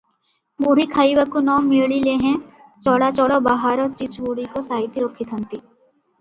ବୁଢ଼ୀ ଖାଇବାକୁ ନ ମିଳିଲେହେଁ ଚଳାଚଳ ବାହାର ଚିଜଗୁଡ଼ିକ ସାଇତି ରଖି ଥାନ୍ତି ।